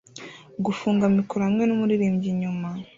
Gufunga mikoro hamwe numuririmbyi inyuma